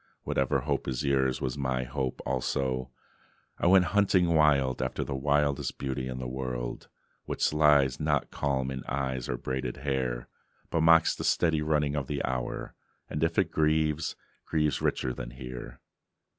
Whatever hope is yours Was my hope also; I went hunting wild After the wildest beauty in the world, Which lies not calm in eyes, or braided hair, But mocks the steady running of the hour, And if it grieves, grieves richlier than here.